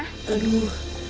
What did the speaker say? sepertinya asal baunya dari sana